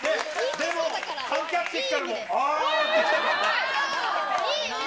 でも観客席からも、あーって言ったから。